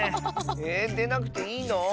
えっでなくていいの？